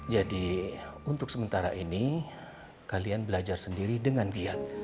jadi untuk sementara ini kalian belajar sendiri dengan biad